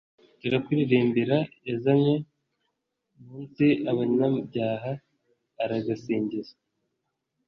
turakuririmbira, yazanywe mu nsi n'abanyabyaha, aragasingizwa